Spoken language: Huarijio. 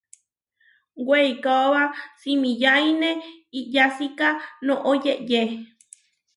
Weikáoba simiyáine iʼyásika noʼó yeʼyé.